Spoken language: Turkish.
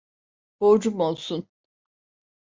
Borcum olsun.